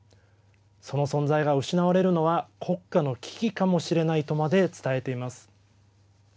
その存在が失われるのは国家の危機かもしれないとまで伝えています。